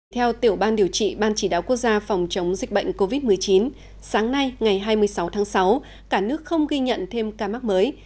theo tiểu ban điều trị ban chỉ đáo quốc gia phòng chống dịch bệnh covid một mươi chín sáng nay ngày hai mươi sáu tháng sáu cả nước không ghi nhận thêm ca mắc mới